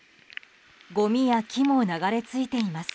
ごみや木も流れ着いています。